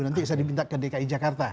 nanti saya diminta ke dki jakarta